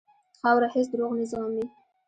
خاوره هېڅ دروغ نه زغمي.